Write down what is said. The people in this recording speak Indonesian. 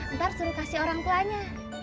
ntar suruh kasih orang tuanya